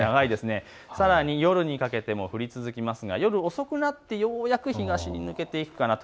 さらに夜にかけても降り続けますが夜遅くなってようやく東に抜けていくかなと。